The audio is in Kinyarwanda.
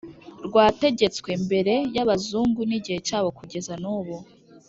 rwategetswe mbere y'abazungu n'igihe cyabo kugeza nubu